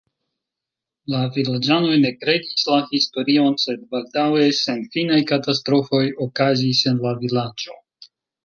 La vilaĝanoj ne kredis la historion, sed baldaŭe senfinaj katastrofoj okazis en la vilaĝo.